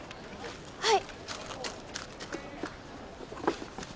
はい。